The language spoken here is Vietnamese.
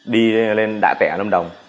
đi lên đạ tẻ ở lâm đồng